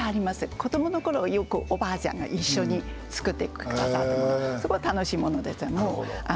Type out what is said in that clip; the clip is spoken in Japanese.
子どものころよくおばあちゃんが一緒に作ってくださってすごい楽しいものです。